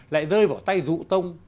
lại rơi vào tay dũ tông